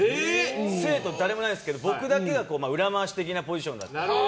生徒誰もいないんですけど僕だけが裏回し的なポジションだったので。